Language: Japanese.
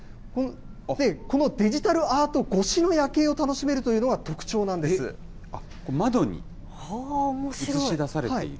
このデジタルアート越しの夜景を楽しめるというのが、特徴なんで窓に映し出されている？